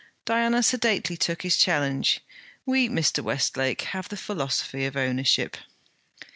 Diana sedately took his challenge. 'We, Mr. Westlake, have the philosophy of ownership.'